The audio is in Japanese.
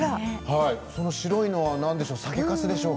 その白いのは何でしょう？